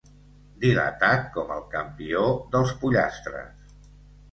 Dilatat com el campió dels pollastres.